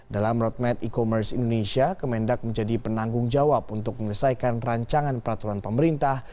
dalam roadmap e commerce indonesia kemendak menjadi penanggung jawab untuk menyelesaikan rancangan peraturan pemerintah